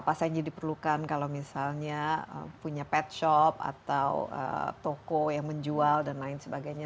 apa saja diperlukan kalau misalnya punya pet shop atau toko yang menjual dan lain sebagainya